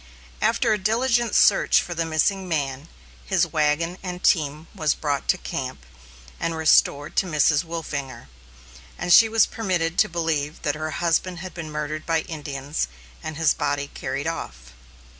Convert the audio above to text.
After a diligent search for the missing man, his wagon and team was brought to camp and restored to Mrs. Wolfinger, and she was permitted to believe that her husband had been murdered by Indians and his body carried off.